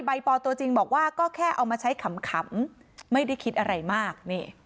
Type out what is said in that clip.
ปอตัวจริงบอกว่าก็แค่เอามาใช้ขำไม่ได้คิดอะไรมาก